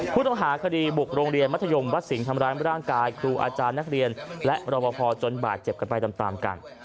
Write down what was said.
ผู้ต้องหาคดีบุกโรงเรียนมัธยมวัดสิงห์ทำร้ายร่างกายครูอาจารย์นักเรียนและรบพอจนบาดเจ็บกันไปตามกัน